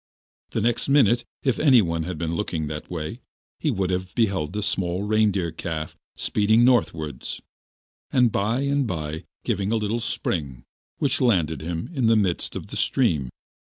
The next minute, if anyone had been looking that way, he would have beheld a small reindeer calf speeding northwards, and by and by giving a great spring, which landed him in the midst of the stream.